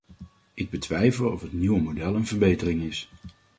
Ik betwijfel of het nieuwe model een verbetering is.